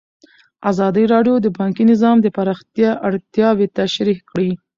ازادي راډیو د بانکي نظام د پراختیا اړتیاوې تشریح کړي.